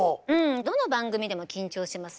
どの番組でも緊張します